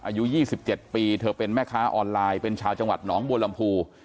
อายุ๒๗ปีเธอเป็นแม่ค้าออนไลน์เป็นชาวจังหวัดหนองบัวลำพู